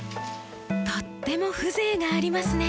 とっても風情がありますね。